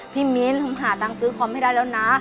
มิ้นผมหาตังค์ซื้อคอมให้ได้แล้วนะ